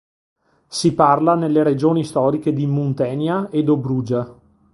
Si parla nelle regioni storiche di Muntenia e Dobrugia.